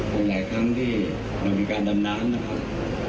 หลายครั้งที่เรามีการดำน้ำนะครับ